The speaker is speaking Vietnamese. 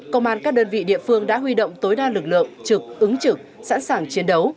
công an các đơn vị địa phương đã huy động tối đa lực lượng trực ứng trực sẵn sàng chiến đấu